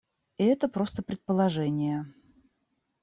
И это просто предположение.